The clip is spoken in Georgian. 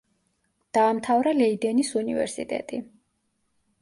დაამთავრა ლეიდენის უნივერსიტეტი.